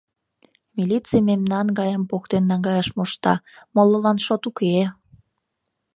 Милиций мемнан гайым поктен наҥгаяш мошта, молылан шот уке...